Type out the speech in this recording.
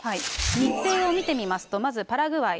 日程を見てみますと、まずパラグアイ。